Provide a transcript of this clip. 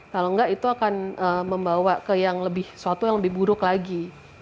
kalau enggak itu akan membawa ke yang lebih suatu yang lebih buruk lagi